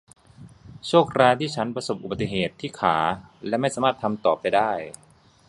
โชคร้ายที่ฉันประสบอุบัติเหตุที่ขาและไม่สามารถทำต่อไปได้